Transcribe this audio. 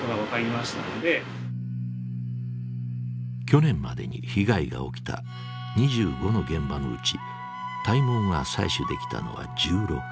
去年までに被害が起きた２５の現場のうち体毛が採取できたのは１６。